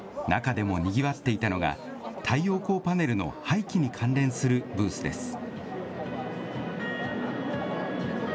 中でもにぎわっていたのが、太陽光パネルの廃棄に関連するブースです。